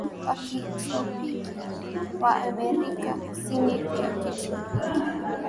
wa kitropiki wa Amerika Kusini ya kitropiki